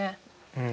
うん。